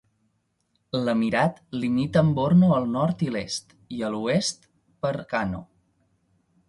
L'emirat limita amb Borno al nord i l'est i a l'oest per Kano.